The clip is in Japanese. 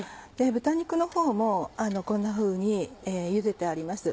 豚肉のほうもこんなふうにゆでてあります。